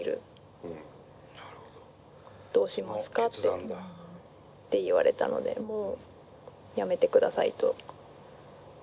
その決断だ。って言われたのでもうやめてくださいと。